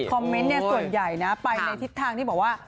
เมนต์ส่วนใหญ่นะไปในทิศทางที่บอกว่า